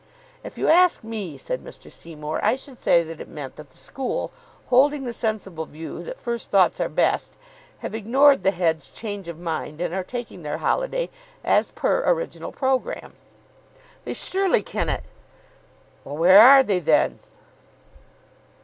"If you ask me," said Mr. Seymour, "I should say that it meant that the school, holding the sensible view that first thoughts are best, have ignored the head's change of mind, and are taking their holiday as per original programme." "They surely cannot !" "Well, where are they then?"